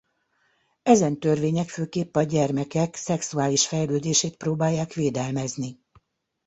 Ezen törvények főképp a gyermekek szexuális fejlődését próbálják védelmezni.